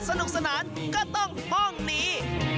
สนุกสนานก็ต้องที่นี่